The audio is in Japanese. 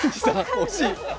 惜しい！